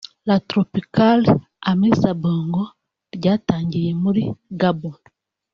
La Tropicale Amissa Bongo ryatangiye muri Gabon